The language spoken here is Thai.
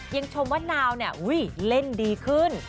ยังชมว่านาวค่ะวิเล่นดีขึ้น